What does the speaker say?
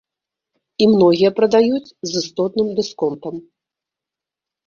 І многія прадаюць з істотным дысконтам.